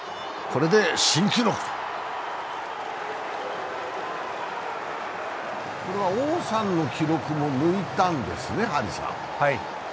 こうれは王さんの記録も抜いたんですね、張さん。